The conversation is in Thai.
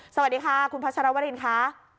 สวัสดีค่ะคุณพัชรวรินค่ะ